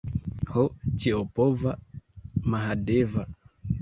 Ho, ĉiopova Mahadeva!